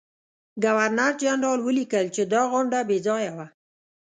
ګورنرجنرال ولیکل چې دا غونډه بې ځایه وه.